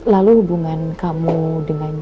lalu hubungan kamu dengan